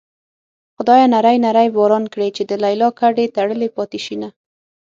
خدايه نری نری باران کړې چې د ليلا ګډې تړلې پاتې شينه